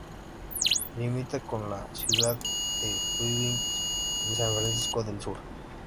Limita con las ciudades de Joinville y San Francisco del Sur.